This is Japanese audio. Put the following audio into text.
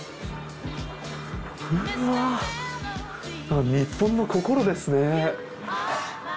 うわっ日本の心ですね。